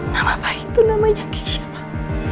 nama baik itu namanya kisah